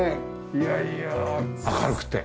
いやいや明るくて。